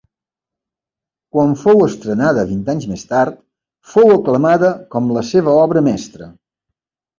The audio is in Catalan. Quan fou estrenada, vint anys més tard, fou aclamada com la seva obra mestra.